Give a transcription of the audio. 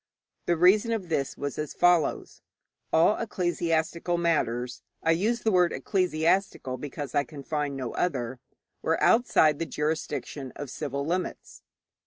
The reason of this was as follows: All ecclesiastical matters I use the word 'ecclesiastical' because I can find no other were outside the jurisdiction of civil limits.